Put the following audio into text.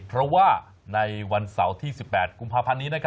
เพราะว่าในวันเสาร์ที่๑๘กุมภาพันธ์นี้